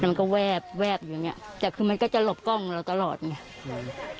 มันก็แวบแวบอยู่อย่างเงี้ยแต่คือมันก็จะหลบกล้องเราตลอดไง